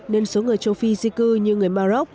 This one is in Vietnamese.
nên số người châu phi di cư như người maroc